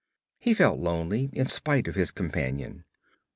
He felt lonely, in spite of his companion.